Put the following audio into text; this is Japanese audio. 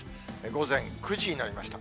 午前９時になりました。